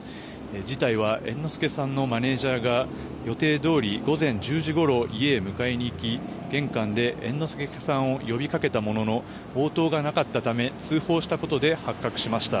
事態は猿之助さんのマネジャーが予定どおり午前１０時ごろ家へ迎えに行き、玄関で猿之助さんを呼び掛けたものの応答がなかったため通報したことで発覚しました。